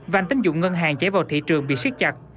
vàng tính dụng ngân hàng chảy vào thị trường bị siết chặt